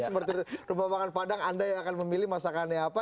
seperti rumah makan padang anda yang akan memilih masakannya apa